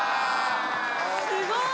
すごい。